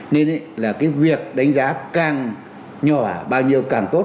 nên là cái việc đánh giá càng nhỏ bao nhiêu càng tốt